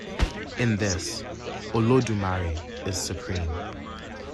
In this, Olodumare is Supreme.